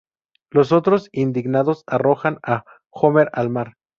Los otros, indignados, arrojan a Homer al mar.